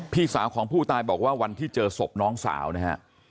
พี่สาวของผู้ตายบอกว่าวันที่เจอศพน้องสาวนะฮะ